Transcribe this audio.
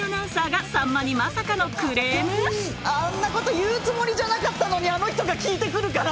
あんなこと言うつもりじゃなかったのにあの人が聞いてくるから！